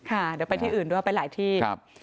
ค่ะเดี๋ยวไปที่อื่นด้วยไปหลายที่ครับ